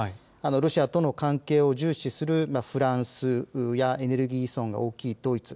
ロシアとの関係を重視するフランスやエネルギー依存が大きいドイツ。